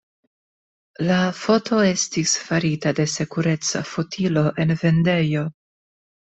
La foto estis farita de sekureca fotilo en vendejo.